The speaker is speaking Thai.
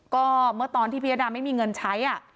ก็เมื่อตอนที่พิยดาไม่มีเงินใช้